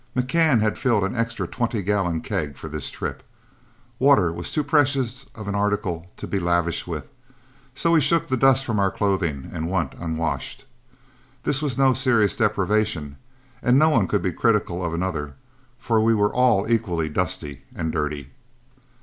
McCann had filled an extra twenty gallon keg for this trip. Water was too precious an article to be lavish with, so we shook the dust from our clothing and went unwashed. This was no serious deprivation, and no one could be critical of another, for we were all equally dusty and dirty.